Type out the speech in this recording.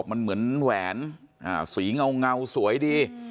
มันเหมือนแวนสีเหมือนกันสวยดี